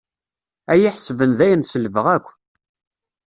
Ad iyi-ḥesben dayen selbeɣ akk.